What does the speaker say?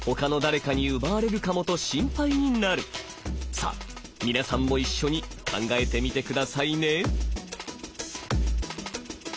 さあ皆さんも一緒に考えてみてくださいね。